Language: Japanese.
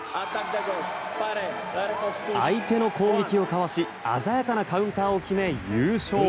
相手の攻撃をかわし鮮やかなカウンターを決め優勝。